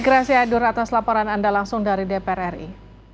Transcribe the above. terima kasih adur atas laporan anda langsung dari dpr ri